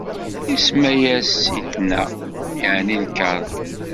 Isemma-yas Sitna, yeɛni lkeṛh.